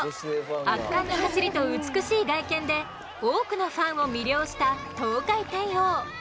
圧巻の走りと美しい外見で多くのファンを魅了したトウカイテイオー。